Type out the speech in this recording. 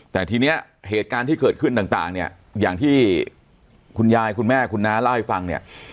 แต่ทีนี้เหตุการณ์ที่เกิดขึ้นต่างเนี่ยอย่างที่คุณยายคุณแม่คุณน้าเล่าให้ฟังเนี่ย